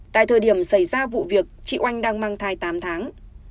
tại thời điểm xảy ra vụ việc chị oanh đang mang thai tám tháng